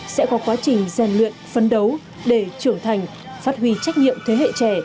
sẽ có quá trình rèn luyện phấn đấu để trưởng thành phát huy trách nhiệm thế hệ trẻ